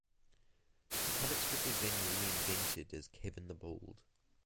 The comic strip was then reinvented as Kevin the Bold.